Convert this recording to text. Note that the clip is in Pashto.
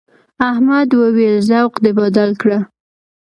احمد وويل: ذوق دې بدل کړه.